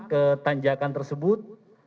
ke tanjakan tersebut